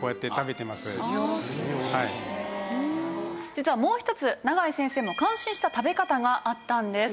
実はもう一つ永井先生も感心した食べ方があったんです。